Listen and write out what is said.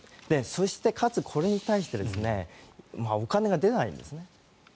そして、かつ、これに対してお金が出ないんですね。